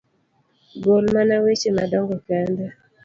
gol mana weche madongo kende.